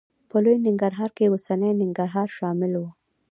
په لوی ننګرهار کې اوسنی ننګرهار شامل و.